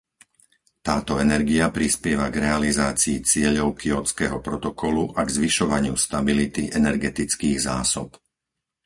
Táto energia prispieva k realizácii cieľov Kjótskeho protokolu a k zvyšovaniu stability energetických zásob.